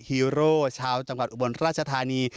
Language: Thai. ฮีโร่ชาวจังหวัดอุบลราชธานี